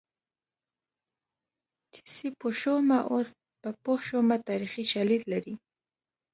چې سیپو شومه اوس په پوه شومه تاریخي شالید لري